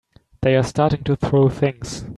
They're starting to throw things!